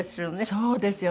そうですよ。